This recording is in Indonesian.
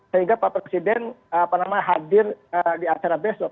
sehingga pak presiden hadir di acara besok